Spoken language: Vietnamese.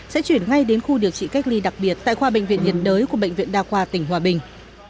sẽ chuyển ngay đến khu điều trị cách ly đặc biệt tại khoa bệnh viện nhiệt đới của bệnh viện đa khoa tỉnh hòa bình